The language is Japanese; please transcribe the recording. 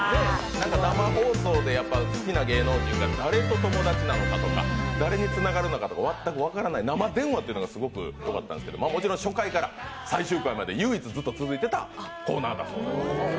生放送で好きな芸能人が誰と友達なのか、誰とつながるのかとか、全く分からない生電話というのがすごくよかったんですけど、もちろん初回から最終回まで唯一ずっと続いてたコーナーです。